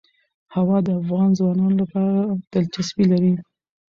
هوا د افغان ځوانانو لپاره دلچسپي لري.